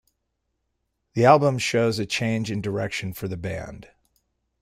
The album shows a change in direction for the band.